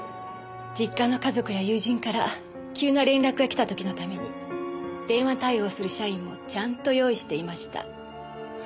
実家の家族や友人から急な連絡が来た時のために電話対応する社員もちゃんと用意していました。